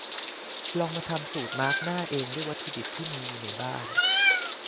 ลองมาทำสูตรมาสก์หน้าเองด้วยวัตถุดิบที่มีอยู่ในบ้าน